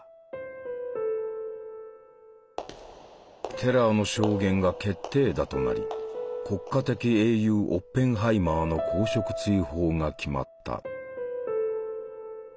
テラーの証言が決定打となり国家的英雄オッペンハイマーの公職追放が決まった。